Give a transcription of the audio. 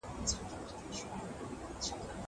زه مځکي ته کتلې دي.